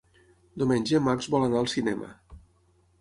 Diumenge en Max vol anar al cinema.